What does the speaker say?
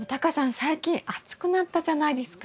最近暑くなったじゃないですか。